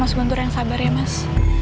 mas guntur yang sabar ya mas